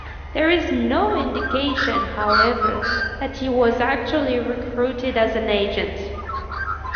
There is no indication, however, that he was actually recruited as an agent.